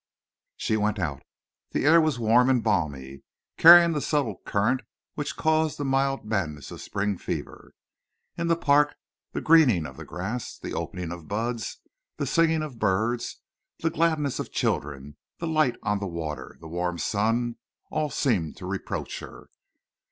She went out. The air was warm and balmy, carrying that subtle current which caused the mild madness of spring fever. In the Park the greening of the grass, the opening of buds, the singing of birds, the gladness of children, the light on the water, the warm sun—all seemed to reproach her.